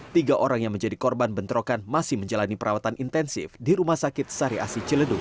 tiga orang yang menjadi korban bentrokan masih menjalani perawatan intensif di rumah sakit sari asi ciledug